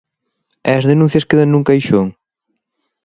¿E as denuncias quedan nun caixón?